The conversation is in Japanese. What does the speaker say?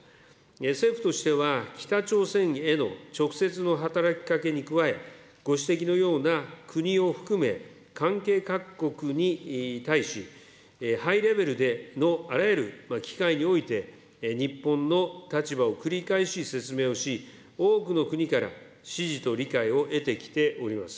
政府としては、北朝鮮への直接の働きかけに加え、ご指摘のような国を含め、関係各国に対し、ハイレベルでの、あらゆる機会において、日本の立場を繰り返し説明をし、多くの国から支持と理解を得てきております。